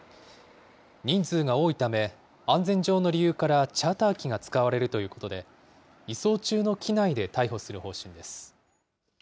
人数が多いため、安全上の理由からチャーター機が使われるということで、移送中の機内で逮捕する方針です。